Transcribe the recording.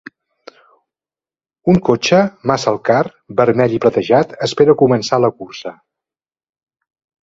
Un cotxe "muscle car" vermell i platejat espera a començar la cursa.